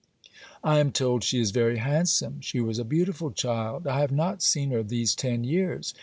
'I am told she is very handsome. She was a beautiful child. I have not seen her these ten years.